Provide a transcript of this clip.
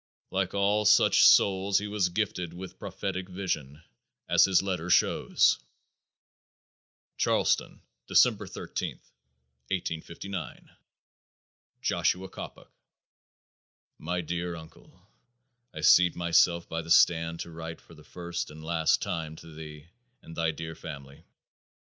Like all such souls he was gifted with prophetic vision, as his letter shows: Charleston, December 13, 1859. Joshua Coppock: My Dear Uncle I seat myself by the stand to write for the first and last time to thee and thy dear family.